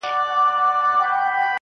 هغه وكړې سوگېرې پــه خـاموشـۍ كي.